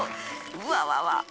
うわわわ。